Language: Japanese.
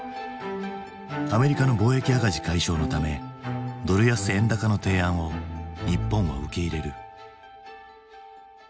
アメリカの貿易赤字解消のためドル安・円高の提案を日本は受け入れる。